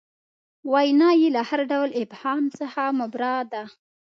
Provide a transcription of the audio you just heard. وینا یې له هر ډول ابهام څخه مبرا ده.